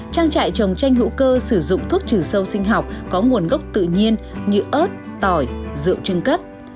trang trại chồng chanh hữu cơ sử dụng thuốc trừ sâu sinh học có nguồn gốc tự nhiên như ớt tỏi rượu trưng cất